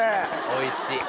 おいしい。